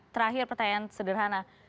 saya punya pertanyaan sederhana